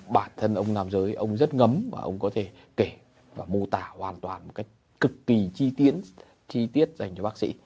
bản thân ông nam giới ông rất ngấm và ông có thể kể và mô tả hoàn toàn một cách cực kỳ chi tiết chi tiết dành cho bác sĩ